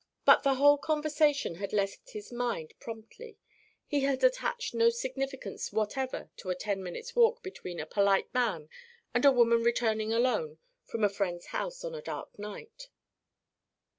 But the whole conversation had left his mind promptly. He had attached no significance whatever to a ten minutes' walk between a polite man and a woman returning alone from a friend's house on a dark night.